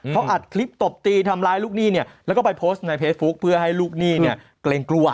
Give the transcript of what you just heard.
เขาอัดคลิปตบตีทำร้ายลูกหนี้เนี่ยแล้วก็ไปโพสต์ในเฟซบุ๊คเพื่อให้ลูกหนี้เนี่ยเกรงกลัว